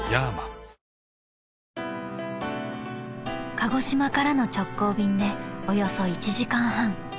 ［鹿児島からの直行便でおよそ１時間半］